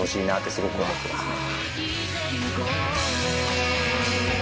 すごく思っていますね。